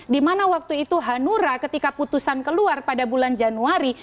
dimana waktu itu hanura ketika putusan keluar pada bulan januari